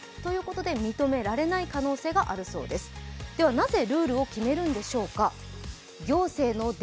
なぜ、ルールを決めるのでしょうか？